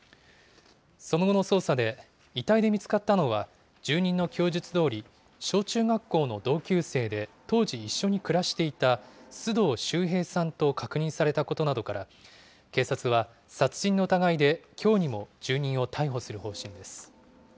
その後の捜査で、遺体で見つかったのは、住人の供述どおり、小中学校の同級生で当時、一緒に暮らしていた須藤秀平さんと確認されたことなどから、警察は殺人の疑いできょうにも住人を逮捕する方針です。